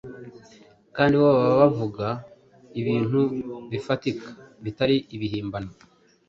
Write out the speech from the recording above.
kandi bo baba bavuga ibintu bifatika bitari ibihimbano.